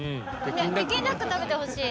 北京ダック食べてほしい。